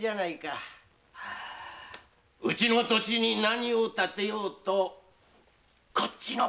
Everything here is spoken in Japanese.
うちの土地に何を建てようとこっちの勝手だ！